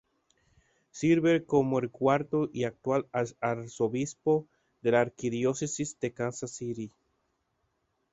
Sirve como el cuarto y actual Arzobispo de la Arquidiócesis de Kansas City.